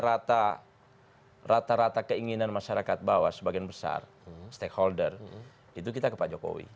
dan rata rata keinginan masyarakat bawah sebagian besar stakeholder itu kita kepada jokowi